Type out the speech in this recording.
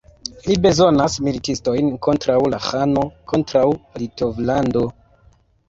Mi bezonas militistojn kontraŭ la ĥano, kontraŭ Litovlando.